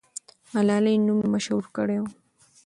ملالۍ نوم یې مشهور کړی وو.